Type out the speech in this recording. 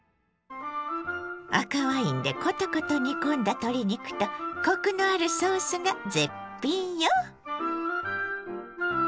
赤ワインでコトコト煮込んだ鶏肉とコクのあるソースが絶品よ。